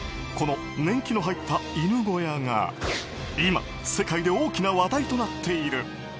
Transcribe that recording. この年季の入った犬小屋が今世界で大きな話題となっている。